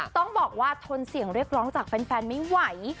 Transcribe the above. ต้องบอกว่าทนเสียงเรียกร้องจากแฟนไม่ไหว